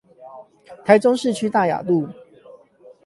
台中市區大雅路